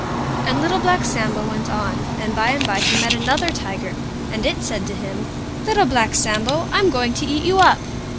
And Little Black Sambo went on, and by and by he met another Tiger, and it said to him, "Little Black Sambo, I'm going to eat you up!"